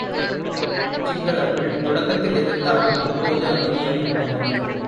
சிங்களர்கள் தொடக்கத்தில் எதிர்த்தாலும் இப்போது அமைதியாகி விட்டனர்.